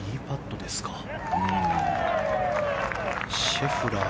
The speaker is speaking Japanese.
シェフラー。